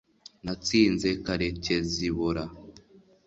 natsinze karekezibola